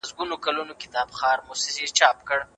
ولي ځايي واردوونکي کرنیز ماشین الات له هند څخه واردوي؟